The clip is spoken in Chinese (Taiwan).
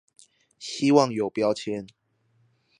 希望有標籤